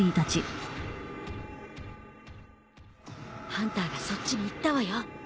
ハンターがそっちに行ったわよ。